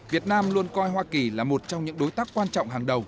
việt nam luôn coi hoa kỳ là một trong những đối tác quan trọng hàng đầu